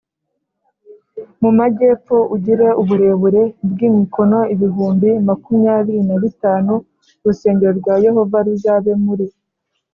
mu majyepfo ugire uburebure bw imikono ibihumbi makumyabiri na bitanu Urusengero rwa Yehova ruzabe muri